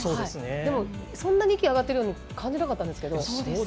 でもそんなに息が上がっているように感じなかったんですけど。